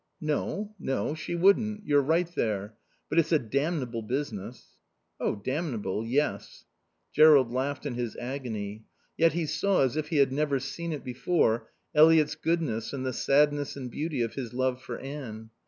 "No. No. She wouldn't. You're right there. But it's a damnable business." "Oh, damnable, yes." Jerrold laughed in his agony. Yet he saw, as if he had never seen it before, Eliot's goodness and the sadness and beauty of his love for Anne.